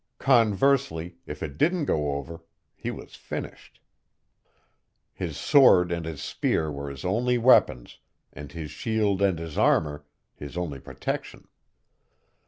Conversely, if it didn't go over he was finished: his sword and his spear were his only weapons, and his shield and his armor, his only protection.